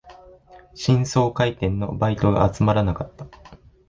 新装開店のバイトが集まらなかった